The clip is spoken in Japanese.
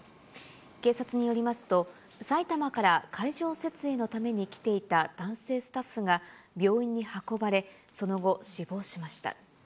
警察によりますと、埼玉から会場設営のために来ていた男性スタッフが、病院に運ばれ、その後、死亡しました。